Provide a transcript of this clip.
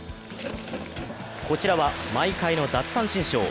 こちらは毎回の奪三振ショー。